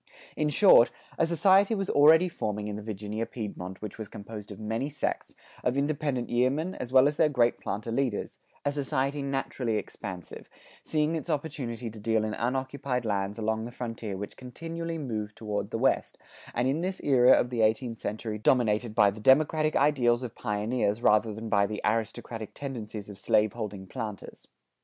In short, a society was already forming in the Virginia Piedmont which was composed of many sects, of independent yeomen as well as their great planter leaders a society naturally expansive, seeing its opportunity to deal in unoccupied lands along the frontier which continually moved toward the West, and in this era of the eighteenth century dominated by the democratic ideals of pioneers rather than by the aristocratic tendencies of slaveholding planters.